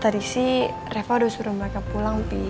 tadi sih reva udah suruh mereka pulang